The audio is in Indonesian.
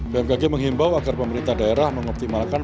bmkg menghimbau agar pemerintah daerah mengoptimalkan